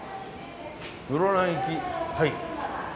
室蘭行きはい。